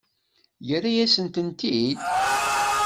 Yerra-yasen-ten-id?